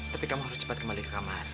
tapi kamu harus cepat kembali ke kamar